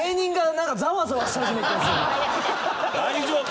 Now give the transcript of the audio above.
大丈夫や。